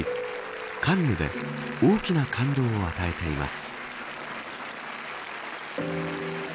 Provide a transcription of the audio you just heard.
カンヌで大きな感動を与えています。